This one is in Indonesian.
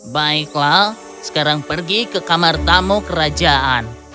baiklah sekarang pergi ke kamar tamu kerajaan